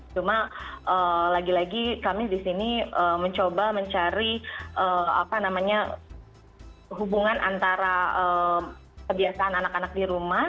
cuma lagi lagi kami di sini mencoba mencari hubungan antara kebiasaan anak anak di rumah